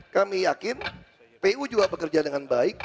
kami yakin pu juga bekerja dengan baik